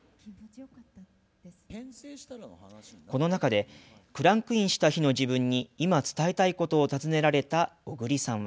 この中で、クランクインした日の自分に今、伝えたいことを尋ねられた小栗さんは。